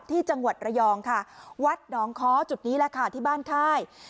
ที่จังหวัดระยองค่ะวัดหนองค้อจุดนี้แหละค่ะที่บ้านค่าย